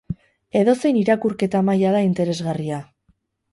Edozein irakurketa-maila da interesgarria.